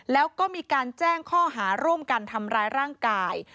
แล้วก็มีการแจ้งข้อหาร่วมกันทำร้ายร่างกาย